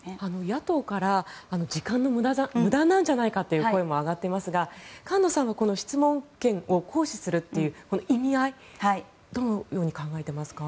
野党から時間の無駄じゃないかという声も上がっていますが菅野さんは質問権を行使するという意味合いはどのように考えていますか？